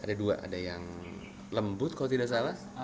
ada dua ada yang lembut kalau tidak salah